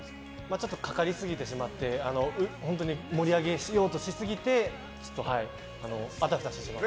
ちょっとかかりすぎてしまって盛り上げようとしすぎてあたふたしてしまって。